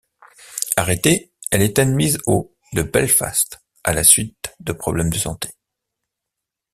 Arrêtée, elle est admise au de Belfast à la suite de problèmes de santé.